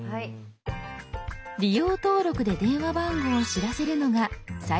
「利用登録」で電話番号を知らせるのが最近の主流。